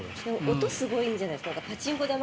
音がすごいんじゃないですか？